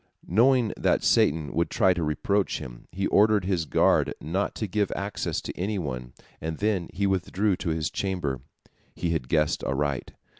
Knowing that Satan would try to approach him, he ordered his guard not to give access to any one, and then he withdrew to his chamber. He had guessed aright.